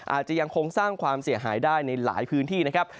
อาจจะยังคงสร้างความเสียหายได้ในหลายพื้นที่นะครับ